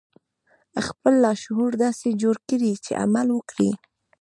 خپل لاشعور داسې جوړ کړئ چې عمل وکړي